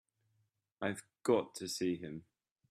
I've got to see him.